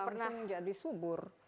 itu langsung jadi subur